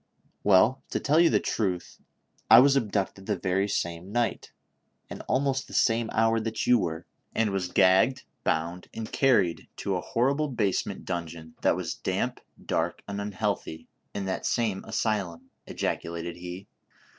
" Well, to tell you the truth, I was abducted the very same night, and almost the same hour, that you were, and was gagged, bound and carried to a horrible basement dungeon, that was damp, dark and unhealthy, in that same asylum," ejaculated he.